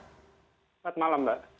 selamat malam mbak